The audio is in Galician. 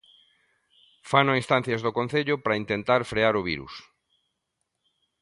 Fano a instancias do Concello para intentar frear o virus.